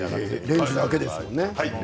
レンジだけですものね。